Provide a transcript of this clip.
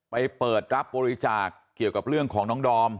เปิดรับบริจาคเกี่ยวกับเรื่องของน้องดอม